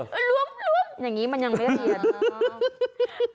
แล้วอย่างนี้มันยังไม่เรียน